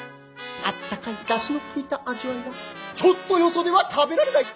あったかい出汁のきいた味わいはちょっとよそでは食べられない！